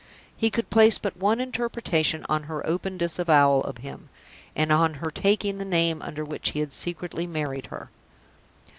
He could place but one interpretation on her open disavowal of him, and on her taking the name under which he had secretly married her.